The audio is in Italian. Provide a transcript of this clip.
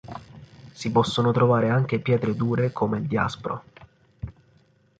Si possono trovare anche pietre dure come il diaspro.